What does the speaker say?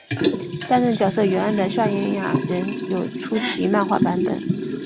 担任角色原案的夏元雅人有出其漫画版本。